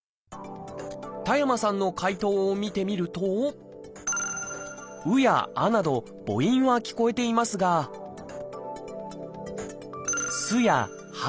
田山さんの解答を見てみると「う」や「あ」など母音は聞こえていますが「す」や「は」